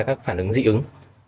các phản ứng dị ứng